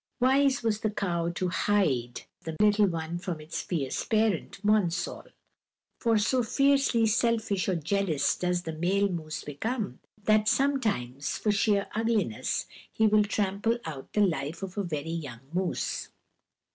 Wise was the cow to hide the little one from its fierce parent, Monsall. For so fiercely selfish or jealous does the male moose become, that sometimes for sheer ugliness he will trample out the life of a very young moose.